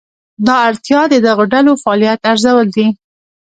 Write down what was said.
دا اړتیا د دغو ډلو فعالیت ارزول دي.